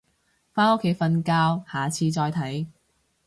返屋企瞓覺，下次再睇